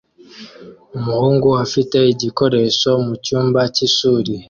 Umuhungu afite igikoresho mu cyumba cy'ishuri